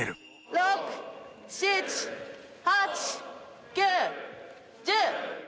７８９１０。